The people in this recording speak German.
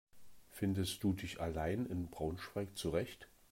Findest du dich allein in Braunschweig zurecht?